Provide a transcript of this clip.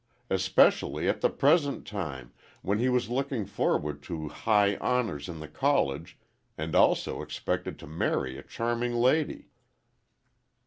Especially at the present time—when he was looking forward to high honors in the College and also expected to marry a charming lady."